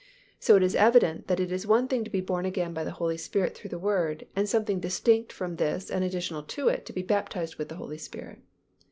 So it is evident that it is one thing to be born again by the Holy Spirit through the Word and something distinct from this and additional to it to be baptized with the Holy Spirit.